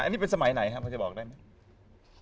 อันนี้เป็นสมัยไหนครับพอจะบอกได้ไหม